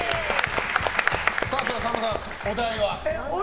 さんまさん、お題は？